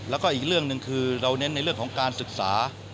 แล้วก็อีกเรื่องหนึ่งคือเราเน้นในเรื่องของการศึกษา